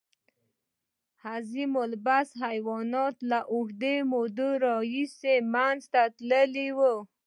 عظیم الجثه حیوانات له اوږدې مودې راهیسې له منځه تللي وو.